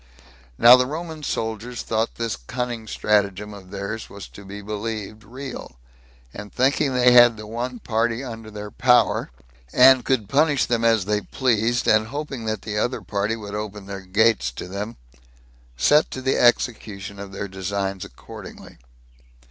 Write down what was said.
Now the Roman soldiers thought this cunning stratagem of theirs was to be believed real, and thinking they had the one party under their power, and could punish them as they pleased, and hoping that the other party would open their gates to them, set to the execution of their designs accordingly.